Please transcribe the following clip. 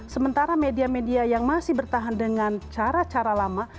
sementara media media yang masih bertahan dengan cara cara lama